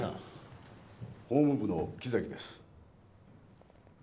法務部の木崎です。